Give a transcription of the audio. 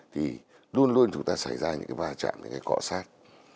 thì luôn luôn chúng ta xảy ra những cái va chạm những cái cọ sát